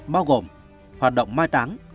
trong cùng một dự án bao gồm hoạt động mai táng